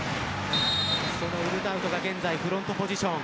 そのウルナウトが現在フロントポジション。